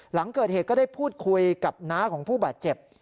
หลังเกิดเหตุก็ได้พูดคุยกับน้าของผู้บาดเจ็บ